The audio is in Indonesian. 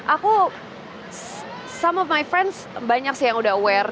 aku sama my friends banyak sih yang udah aware